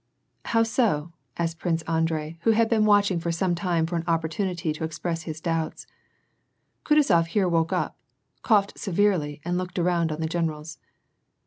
" How so ?" asked Prince Andrei who had been watching for some time for an opportunity to express his doubts. Kutuzof here woke up, coughed severely and looked around on the generals.